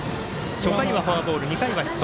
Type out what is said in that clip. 初回はフォアボール２回はヒット